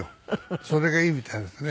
それがいいみたいですね。